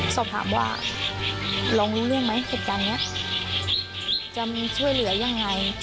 สอบถามว่าลองรู้เรื่องไหมเหตุการณ์นี้จะมีช่วยเหลือยังไง